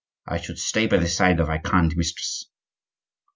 I should stay by the side of our kind mistress."